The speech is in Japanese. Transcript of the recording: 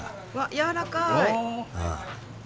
やわらかい！